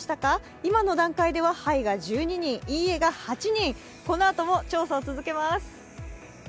今の段階では「はい」が１２人「いいえ」が８人、このあとも調査を続けます。